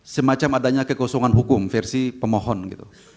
semacam adanya kekosongan hukum versi pemohon gitu